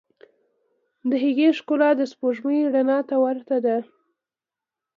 د هغې ښکلا د سپوږمۍ رڼا ته ورته ده.